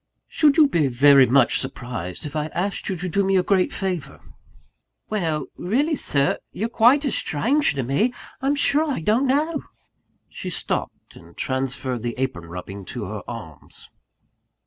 "Should you be very much surprised if I asked you to do me a great favour?" "Well really, Sir you're quite a stranger to me I'm sure I don't know!" She stopped, and transferred the apron rubbing to her arms.